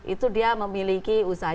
itu dia memiliki usaha